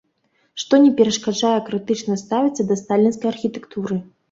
Што не перашкаджае крытычна ставіцца да сталінскай архітэктуры.